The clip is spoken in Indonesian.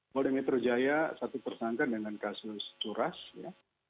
polda metro jaya satu tersangka dengan kasus curas ya